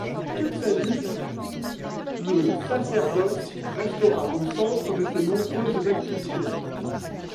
Toute sa vie le sacerdoce restera au centre de ses nombreuses activités.